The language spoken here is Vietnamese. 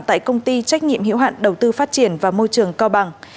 tại công ty trách nhiệm hiệu hạn đầu tư phát triển và môi trường cao bằng